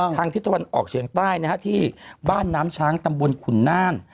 ทางทิศวรรณออกเฉียงใต้นะครับที่บ้านน้ำช้างตำบวนขุนน่าน